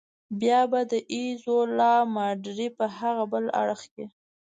بیا به د ایزولا ماډرې په هاغه بل اړخ کې.